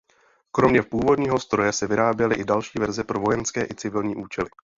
Kromě původního stroje se vyráběly i další verze pro vojenské i civilní účely.